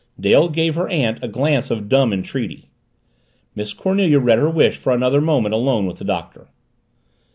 Dale gave her aunt a glance of dumb entreaty. Miss Cornelia read her wish for another moment alone with the Doctor.